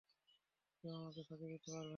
কেউ আমাকে ফাঁকি দিতে পারবে না।